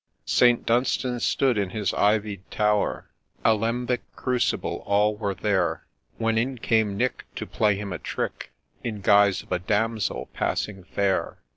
ST. DUNSTAN stood in his ivied tower, Alembic, crucible, all were there ; When in came Nick to play him a trick, In guise of a damsel passing fair.